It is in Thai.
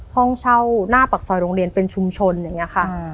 ห้องเช่าหน้าปากซอยโรงเรียนเป็นชุมชนอย่างนี้ค่ะ